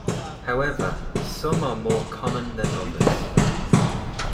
However, some are more common than others.